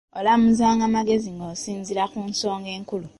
Olamuzanga magezi ng’osinziira ku nsonga enkulu.